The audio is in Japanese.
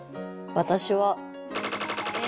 私は。